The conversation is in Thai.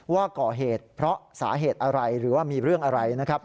ว่าก่อเหตุเพราะสาเหตุอะไรหรือว่ามีเรื่องอะไรนะครับ